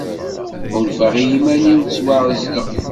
Ḥulfaɣ i iman-iw ttwaεezleɣ.